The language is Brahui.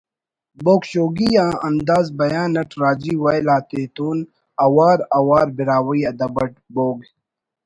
بوگ شوگی آ انداز بیان اٹ راجی ویل آتتون اوار اوار براہوئی ادب اٹ بوگ